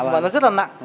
và nó rất là nặng